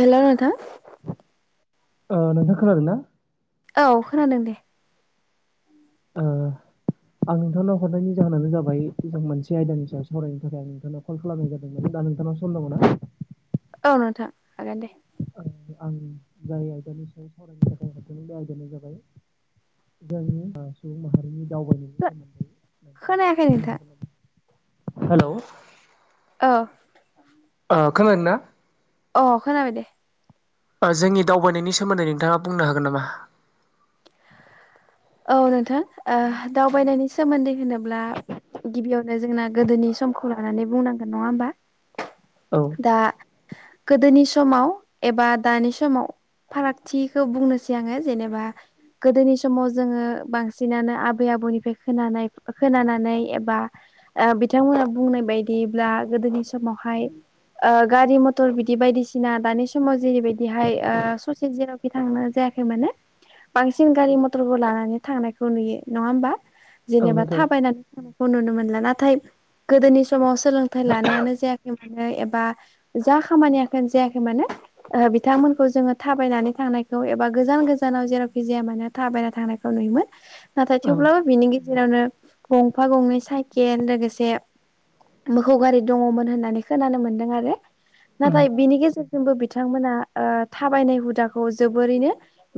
हेल' नोंथां नोंथां खोनादों ना औ खोनादों दे ओ आं नोंथांनाव हरनायनि जाहोनानो जाबाय जों मोनसे आयदानि ह सायाव सावरायनो थाखाय आं नोंथांनाव कल खालामनाय जादों मान दा नोंथानाव सम दंना औ नोंथां हागोन दे आं जाय आयदानि सायाव सावरायनो थाखाय हरदोंमोन बे आयदानो जाबाय जनि सुबुं माहारिनि दावबायनायनि सोमोन्दै नोंथाङा खोनायाखै बुंनो नोंथां हागोन न हेल' द आ खोनादों ना अ खोनाबाय दे। जोंनि दावबायनायनि सोमोन्दै नोंथाङा बुंनो हागोन नामा? औ नोंथां ओ दावबायनायनि सोमोन्दै होनोब्ला गिबियावनो जोंना गोदोनि समखौ लानानै बुंनांगोन नङा होमबा औ दा गोदोनि समाव एबा दानि समाव फारागथिखौ बुंनोसै आङो जेनेबा गोदोनि समाव जोङो बांसिनानो आबै आबौनिफ्राय खोनानाय खोनानानै एबा बिथांमोना बुंनाय बायदिब्ला गोदोनि समावहाय ओ गारि मथर बिदि बायदिसिना दानि समाव जेरैबायदिहाय ससे जेरावखि थांनो जायाखै माने बांसिन गारि मथरबो लानानै थांनायखौ नुयो नङा होमबा? औ जेनेबा नोंथां थाबायनानै थानायखौ नुनो मोनला नाथाय गोदोनि सम समाव सोलोंथाइ लानायानो जायाखै म बा जा खामानिय जायाखै मानो बिथांमोनखौ जोङो थाबायनानै थांनायखौ एबा गोजान गोजानाव जेरावखि जाया मानो थाबायना थांनायखौ नुयोमोन नाथाय औ थेवब्लाबो बिनि गेजेरावनो गंफा गंनै साइकेल लोगोसे मोखौ गारि दङ'मोन होननानै खोनानो मोनदों आरो उम नाथाय बिनि गेजेरजोंबो बिथांमोना ओ थाबायनाय हुदाखौ जोबोरैनो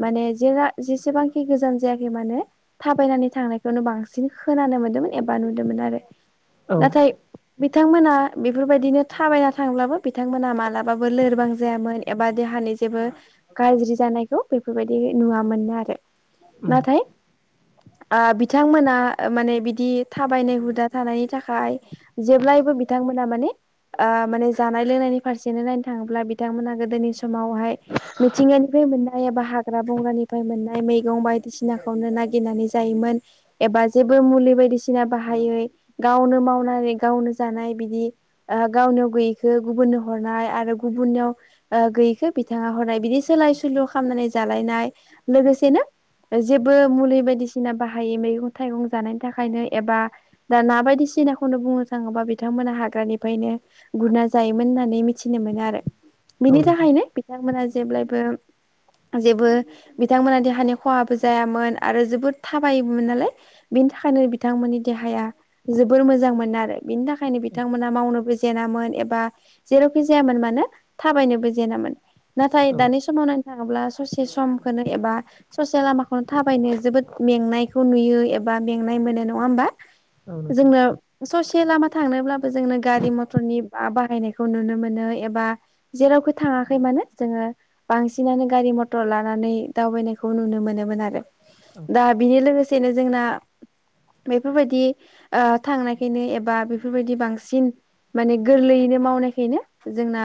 माने जे जेसेबांखि गोजान जाया मानो थाबायनानै थांनायखौनो बांसिन खोनानो मोन्दोंमोन एबा नुदोंमोन आरो औ नाथाय बिथांमोना बेफोरबायदिनो थाबायना थांब्लाबो बिथांमोना मालाबाबो लोरबां जायामोन एबा देहानि जेबो गाज्रि जानायखौ बेफोरबायदि नुवामोननो आरो उम नाथाय ओ बिथांमोना माने बिदि थाबायनाय हुदा थानायनि थाखाय जेब्लायबो बिथां मोना ओ माने जानाय लोंनायनि फारसेनो नायनो थाङोब्ला बिथांमोनहा गोदोनि समावहाय मिथिंगानिफ्राय मोननाय एबा हाग्रा बंग्रानिफ्राय मोन्नाय बायदिसिनाखौनो नागिरनानै जायोमोन एबा जेबो मुलि बायदिसिना बाहायै गावनो मावनानै गावनो जानाय बिदि ओ गावनियाव गैयै खौ गुबुननो हरनाय आरो गुबुनाव ओ गैयैखौ बिथाङा हरनाय बिदि सोलाय सोलु खालामनानै जा जालायनाय लोगोसेनो जेबो मुलि बायदिसिना बाहायै मैगं थाइगं जानायनि थाखायनो एबा दाना बायदिसिना खौनो बुंनो थाङोबा बिथांमोना हाग्रानिफ्रायनो गुरना जायोमोन होननानै मिथिनो मोनो आरो औ बिनि नोंथां थाखायनो बिथांमोना जेब्लायबो जेबो बिथांमोना देहानि खहाबो जायामोन आरो जोबोद थाबायोमोनबो नालाय बिनि थाखाय बेखायनो बिथांमोननि देहाया जोबोर मोजां मोन आरो बिनि थाखायनो बिथांमोना मावनोबो जेेनामोन ए बा जेरावखि जायामोन मानो थाबायनोबो जेनामोन नाथाय औ दानि समाव नायनो थाङोब्ला ससे समखौनो एबा ससे लामाखौनो थाबायनो जोबोद मेंनायखौ नुयो एबा मेंनाय मो नो नङा होनबा? औ नोंथां जोंनो ससे लामा थांनोब्लाबो जोंनो गारि मटरनि बाहायनायखौ नुनो मोनो एबा जेरावखि थाङाखै मानो जोङो बांसिनानो गारि मटर लानानै दावबायनायखौ नुनो मोनोमोन आरो औ दा बेनि लोगोसेनो जोंना बेफोरबायदि ओ थांनायखायनो एबा बेफोरबायदि बांसिन माने गोरलैयैनो मावनायखायनो जोंना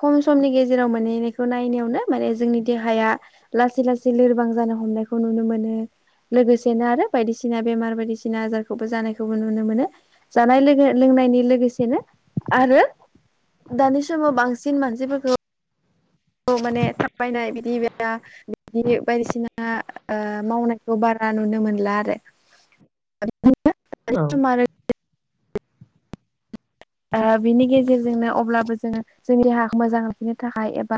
खम समनि गेजेराव मोनहैनायखौ नायनायावनो माने जोंनि देहाया लासै लासै लोरबां जानो हमनायखौ नुनो मोनो लोगोसेनो आरो बायदिसिना बेमार बायदिसिना आजारखौबो जानायखौबो नुनो मोनो जानाय लोगो नाय लोगोसेनोआरो दानि समाव बांसिन मानसिफोरखौ माने थाबायनाय बिदि [unintelligible] बायदिसिना ओ मावनायखौ बा रा नुनो मोनला आरो [unintelligible] औ [unintelligible] ओ बिनि गेजेरजोंनो अब्लाबो जोङो जोंनि देहाखौ मोजां लाखिनो थाखाय ए बा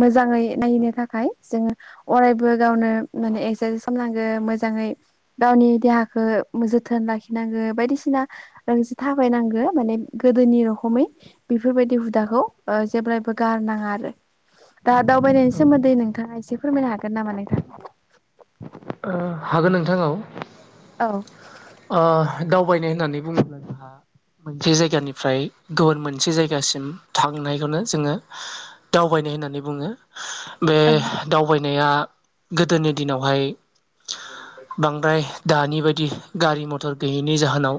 मोजाङै नायनो थाखाय जोङो अरायबो गावनो माने एक्सारसाइस खालामनांगौ मोजाङै गावनि देहाखौ जोथोन लाखिनांगो बायदिसिना [unintelligible] थाबायनांगौ माने गोदोनि रखमै बेफोरबायदि हुदाखौ ओ‌ जेब्लायबो गारनाङा आरो दा दावबायनायनि औ सोमोन्दै नोंथां नोंथाङा एसे फोरमायनो हागोन नामा नोंथां? ओ हागोन नोंथां औ। औ ओ दावबायनाय होननानै बुङोब्ला जोंहा मोनसे जायगानिफ्राय गुबुन मोनसे जायगासिम थांनायखौनो जोङो दावबाय नाय होननानै बुङो बे औ दावबायनाया गोदोनि दिनावहाय बांद्राय दानि बायदि गारि मथर गैयैनि जाहोनाव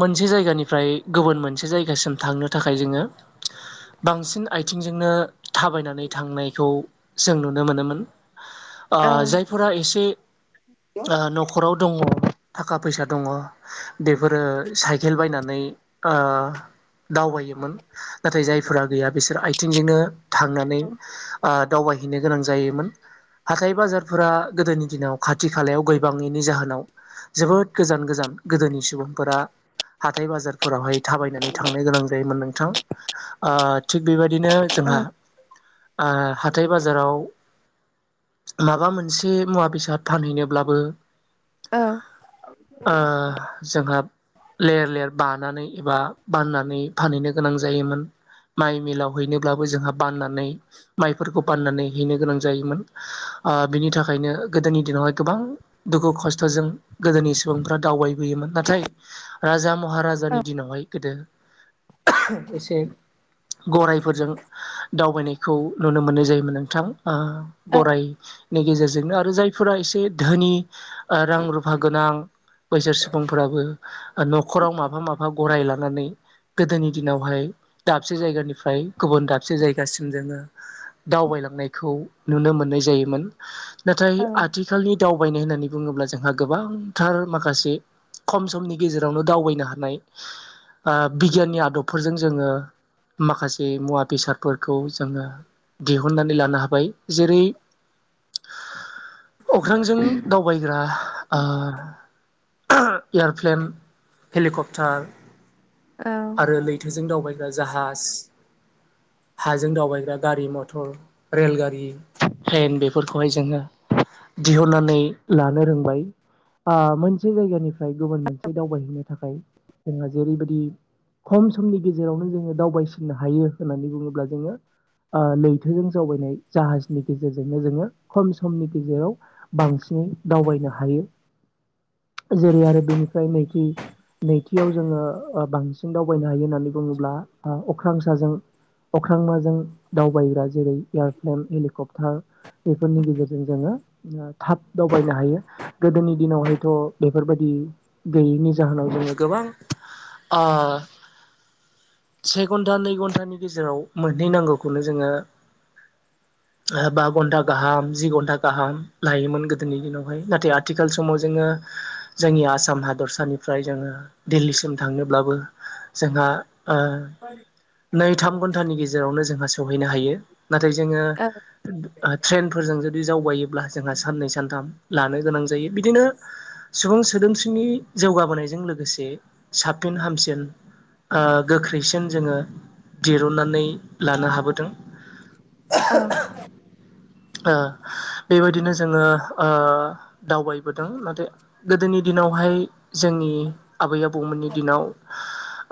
मोनसे जायगानिफ्राय गुबुन मोनसे जायगासिम थांनो थाखाय जोङो बांसिन आइथिंजोंनो थाबायनानै थांनायखौ जों नुनो मोनोमोन ओ औ जाय फोरा एसे ओ न'खराव दङ थाखा फैसा दङ। बेफोरो साइकेल बायनानै ओ दावबायोमोन नाथाय जायफोरा गैया बिसोर आइथिंजोंनो थांनानै दावबायहैनो गोनां जायोमोन हाथाय बाजारफोरा गोदोनि दिनाव खाथि खालायाव गैबाङैनि जाहोनाव जोबोद गोजान गोजान गोदोनि सुबुंफोरा हाथाय बाजारफोरावहाय थाबायनानै थांनो गोनां जायोमोन नोंथां ओ थिग बेबा दिनो औ जोंहा ओ हाथाइ बाजाराव माबा मोन मोनसे मुवा बेसाद फानहैनोब्लाबो औ ओ जोंहा लेर लेर बानानै एबा बाननानै फानहैनो गोनां जायोमोन। माइ मिलाव हैनोब्लाबो जोंहा बाननानै माइफोरखौ बाननानै हैनो गोनां जायोमोन ओ बिनि थाखायनो गोदोनि दिनावहाय गोबां दुखु खस्थ'जों गोदोनि सुबुंफ्रा दावबायबोयोमोन नाथाय राजा महाराजानि दिनावहाय गोदो एसे गरायफोरजों दावबायनायखौ नुनो मोननाय जायोमोन नोंथां। ओ औ गराइ गेजेरजोंनो आरो जायफोरा एसे धोनि रां रुफा गोनां बैसोर सुबुंफोराबो न'खराव माफा माफा गराय लानानै गोदोनि दिनावहाय दाबसे जायगानिफ्राय गुबुन दाबसे जायगासिम जोङो दावबाय लांनायखौ नुनो मोननाय जायोमोन। नाथाय आथिखालनि दावबायनाय होननानै बुङोब्ला जोंहा गोबांथार माखासे खम समनि गेजेरावनो दावबायनो हानाय बिगियाननि आदबफोरजों जोङो माखासे मुवा बेसादफोरखौ जोङो दिहुननानै लानो हाबाय जेरै अख्रांजों दावबायग्रा एयारप्लेन हेलिकप्टार औ आरो लैथोजों दावबायग्रा जाहाज हाजों दावबायग्रा गारि मथर रेलगारि ट्रेन बेफोर फोरखौहाय जोङो दिहुननानै लानो रोंबाय मोनसे जायगानि फ्राय गुबुन मोनसे दावबायहैनो थाखाय जोंहा जेरैबायदि खम समनि गेजेरावनो जोङो दावबायसिननो हायो होननानै बुङोब्ला जोङो लैथोजों जावबायनाय जाहाजनि गेजेरजोंनो जोङो खम समनि गेजेराव बांसिनै दावबायनो हायो। जेरै आरो बेनिफ्राय नैथि नैथियाव जोङो बांसिन दावबायनो हायो होननानै बुङोब्ला अख्रांसाजों अख्रांमाजों दावबायग्रा जेरै एयारफ्लेन हेलिकप्टार बेफोरनि गेजेरजों जोङो थाब दावबायनो हायो गोदोनि दिनावहायथ' बेफोरबायदि गैयैनि जाहोनाव जोङो गोबां से घन्टा नै घन्टानि गेजेराव मोनहैनांगौखौनो जोङो ओ बा घन्टा गाहाम जि घन्टा गाहाम लायोमोन गोदोनि दिनावहाय नाथाय आथिखाल समाव जोङो जोंनि आसाम हादरसानिफ्राय जोङो दिल्लीसिम थांनोब्लाबो जोंहा ओ नै थाम घन्टानि गेजेरावनो जोंहा सहैनो हायो नाथाय जोङो फोरजों जुदि जावबायोब्ला जोंहा साननै सानथाम लानो गोनां जायो बिदिनो सुबुं सोदोमस्रिनि जौगाबोनायजों लोगोसे साबफिन हामसिन ओ गोख्रैसिन जोङो दिरुनन्नानै लानो हाबोदों। औ ओ बेबादिनो जोङो ओ दावबायबोदों नाथाय गोदोनि दिन नावहाय जोंनि आबै आबौमोननि दिनाव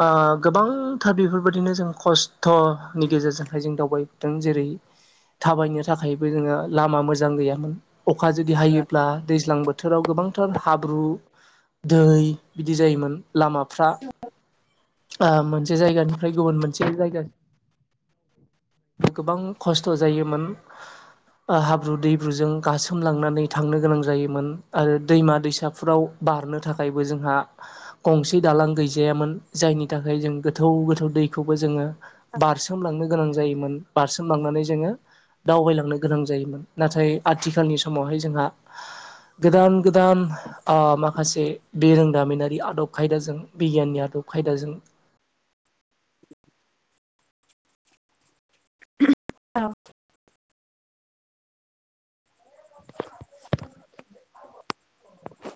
ओ गोबांथार बेफोरबादिनो जों खस्थ'नि गेजेरजोंहाय जों दावबायदों जेरै थाबायनो थाखायबो जोङो लामा मोजां गैयामोन अखा जुदि हायोब्ला दैज्लां बोथ थोराव गोबांथार हाब्रु दै बिदि जायोमोन लामाफ्रा। ओ मोनसे जायगानिफ्राय गुबुन मोनसे जायगा गोबां खस्थ' जायोमोन। [inaudible] ओ हाब्रु दैब्रुजों गासोमलांनानै थांनो गोनां जायोमोन आरो दैमा दैसाफ्राव बारनो थाखायबो जोंहा गंसे दालां गैजायामोन जायनि थाखाय जों गोथौ गोथौ दै खौबो जोङो बारसोम लांनो गोनां जायोमोन बारसोमलांनानै जोङो दावबायलांनो गोनां जायोमोन नाथाय आथिखालनि समावहाय जोंहा गोदान गोदान ओ माखासे बिरोंदामिनारि आदब खायदाजों बिगियाननि आदब खायदाजों [inaudible] [unintelligible]